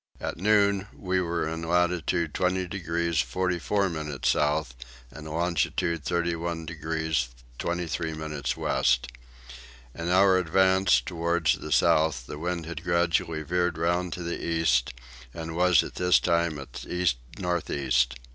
At noon we were in latitude 20 degrees 44 minutes south and longitude 31 degrees 23 minutes west. In our advances towards the south the wind had gradually veered round to the east and was at this time at east north east.